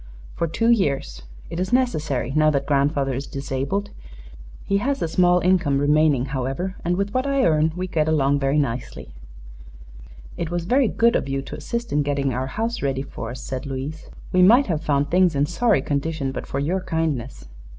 "For two years. It is necessary, now that grandfather is disabled. He has a small income remaining, however, and with what I earn we get along very nicely." "It was very good of you to assist in getting our house ready for us," said Louise. "We might have found things in sorry condition but for your kindness."